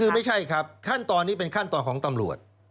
คือไม่ใช่ครับขั้นตอนนี้เป็นขั้นตอนของตำรวจ